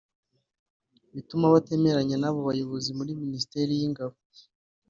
bituma batemeranya n’abo bayobozi muri Minisiteri y’ingabo